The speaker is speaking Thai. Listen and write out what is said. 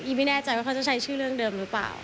ไม่แน่ใจว่าเขาจะใช้ชื่อเรื่องเดิมหรือเปล่า